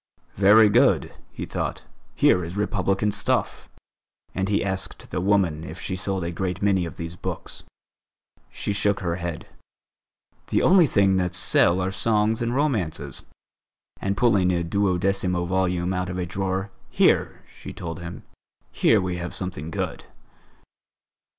"Very good!" he thought, "here is Republican stuff!" and he asked the woman if she sold a great many of these books. She shook her head: "The only things that sell are songs and romances," and pulling a duodecimo volume out of a drawer: "Here," she told him, "here we have something good."